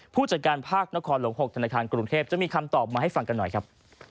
ผู้จัดการภาคนครหลวง๖ธนาคารกรุงเทพจะมีคำตอบมาให้ฟังกันหน่อยครับ